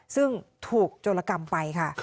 ซึ่งถูกโจรกรรมไปค่ะ